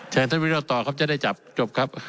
แชนท่านวิรัติต่อครับจะได้จับจบครับ